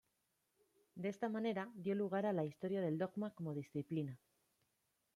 De esta manera dio lugar a la historia del dogma como disciplina.